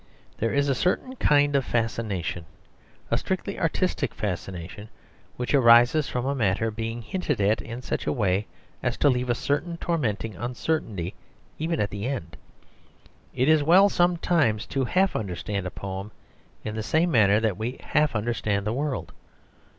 There is a certain kind of fascination, a strictly artistic fascination, which arises from a matter being hinted at in such a way as to leave a certain tormenting uncertainty even at the end. It is well sometimes to half understand a poem in the same manner that we half understand the world.